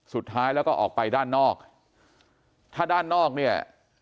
สุดท้ายแล้วก็ออกไปด้านนอกถ้าด้านนอกเนี่ย